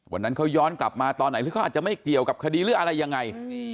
วันนั้นเขาย้อนกลับมาตอนไหนหรือเขาอาจจะไม่เกี่ยวกับคดีหรืออะไรยังไง